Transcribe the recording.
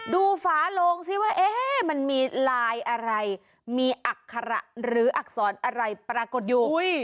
ฝาโลงสิว่ามันมีลายอะไรมีอัคระหรืออักษรอะไรปรากฏอยู่